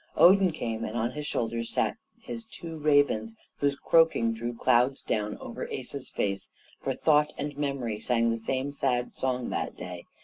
Odin came, and on his shoulders sat his two ravens, whose croaking drew clouds down over the Asa's face, for Thought and Memory sang the same sad song that day.